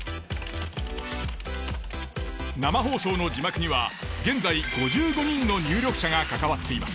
生放送の字幕には現在５５人の入力者が関わっています。